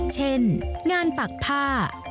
เช่นงานปักผ้า